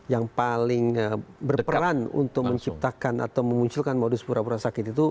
yang paling berperan untuk menciptakan atau memunculkan modus pura pura sakit itu